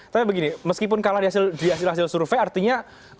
tapi begini meskipun kalah di hasil hasil survei artinya